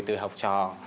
từ học trò